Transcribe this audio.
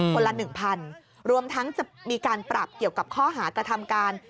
คนละ๑๐๐๐บาทรวมทั้งจะมีการปรับเกี่ยวกับข้อหากธรรมการ